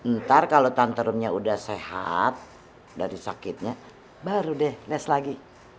ntar kalau tantrumnya udah sehat dari sakitnya baru deh nes lagi